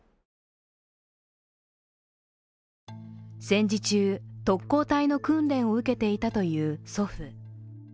戦時中、特攻隊の訓練を受けていたという祖父。